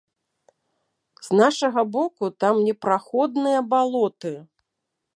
З нашага боку там непраходныя балоты.